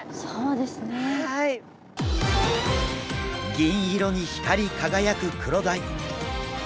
銀色に光り輝くクロダイ。